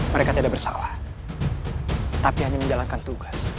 mereka tidak bersalah tapi hanya menjalankan tugas